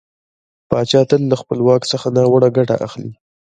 پاچا تل له خپله واک څخه ناوړه ګټه اخلي .